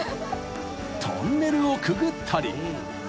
［トンネルをくぐったり］